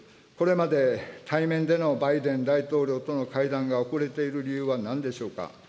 これまで対面でのバイデン大統領との会談が遅れている理由はなんでしょうか。